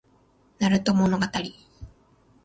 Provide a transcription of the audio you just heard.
なると物語